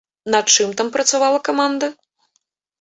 Над чым там працавала каманда?